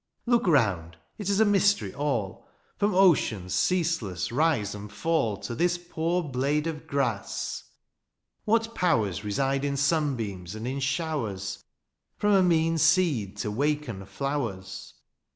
" Look round, it is a mystery all, ^^ From ocean^s ceaseless rise and fall ^^ To this poor blade of grass. What powers ^^ Reside in sunbeams and in showers ^^ From a mean seed to waken flowers